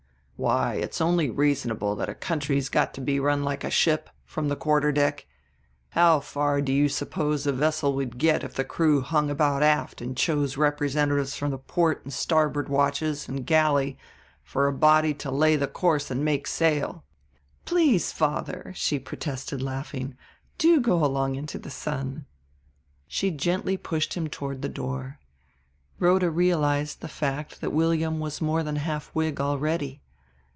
"Why, it's only reasonable that a country's got to be run like a ship, from the quarter deck. How far do you suppose a vessel would get if the crew hung about aft and chose representatives from the port and starboard watches and galley for a body to lay the course and make sail?" "Please, father," she protested, laughing. "Do go along into the sun." She gently pushed him toward the door. Rhoda realized the fact that William was more than half Whig already.